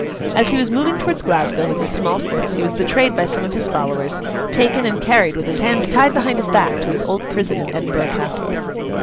As he was moving towards Glasgow with his small force, he was betrayed by some of his followers, taken, and carried, with his hands tied behind his back, to his old prison in Edinburgh Castle.